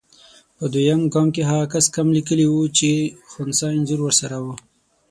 په دویم ګام کې هغه کس کم لیکلي وو چې خنثی انځور ورسره وو.